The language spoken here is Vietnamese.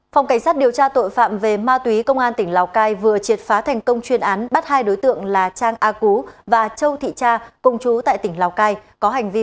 phòng cảnh sát điều tra tội phạm về ma túy công an tỉnh lào cai vừa triệt phá thành công chuyên án bắt hai đối tượng là trang a cú và châu thị tra công chú tại tỉnh lào cai